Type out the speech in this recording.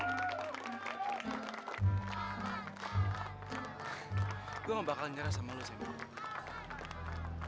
gue gak bakal nyerah sama lo sempat